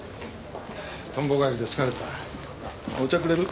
とんぼ返りで疲れたお茶くれる？